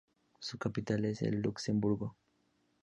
Su capital es Luxemburgo.